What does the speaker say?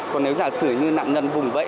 còn nếu giả sử như nạn nhân vùng vẫy